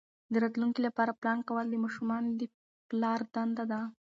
د راتلونکي لپاره پلان کول د ماشومانو د پلار دنده ده.